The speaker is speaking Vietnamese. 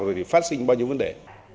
rồi thì phát sinh bao nhiêu vấn đề